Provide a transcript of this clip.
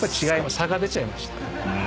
差が出ちゃいました。